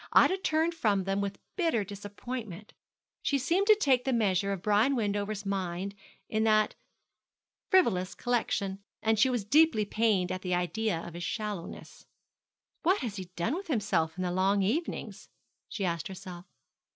Ida turned from them with bitter disappointment. She seemed to take the measure of Brian Wendover's mind in that frivolous collection, and she was deeply pained at the idea of his shallowness. 'What has he done with himself in the long evenings?' she asked herself.